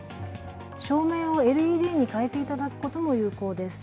照明をＬＥＤに変えていただくことも有効です。